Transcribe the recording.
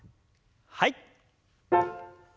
はい。